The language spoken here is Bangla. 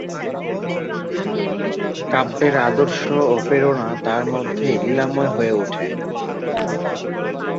কাব্যের আদর্শ ও প্রেরণা তাঁর মধ্যেই লীলাময় হয়ে ওঠে।